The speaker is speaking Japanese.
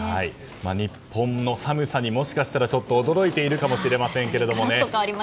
日本の寒さにもしかしたら驚いているかもしれません。